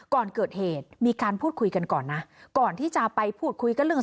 ก่อนเกิดเหตุมีการพูดคุยกันก่อนนะก่อนที่จะไปพูดคุยกันเรื่อง